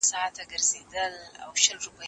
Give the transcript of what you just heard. ژبه په دې ډول غني کيږي.